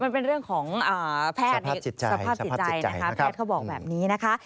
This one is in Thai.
มันเป็นเรื่องของแพทย์ในสภาพจิตใจนะคะแพทย์เขาบอกแบบนี้นะคะ